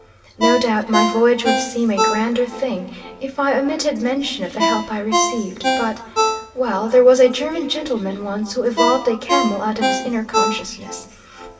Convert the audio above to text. No doubt my voyage would seem a grander thing if I omitted mention of the help I received, but well, there was a German gentleman once who evolved a camel out of his inner consciousness.